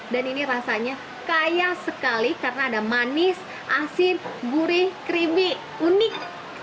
dan ini rasanya kaya sekali karena ada manis asin gurih krimi unik